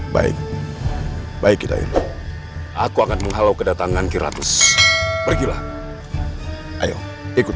baik baik kita itu aku akan menghalau kedatangan kiratus pergilah ayo ikut